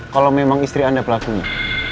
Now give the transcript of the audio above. kalau memang istri anda pelakunya